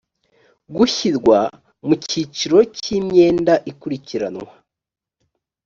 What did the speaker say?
gushyirwa mu cyiciro cy’imyenda ikurikiranwa